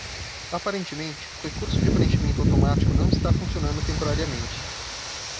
Aparentemente, o recurso de preenchimento automático não está funcionando temporariamente.